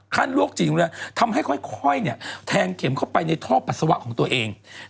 ลวกจริงเลยทำให้ค่อยแทงเข็มเข้าไปในท่อปัสสาวะของตัวเอง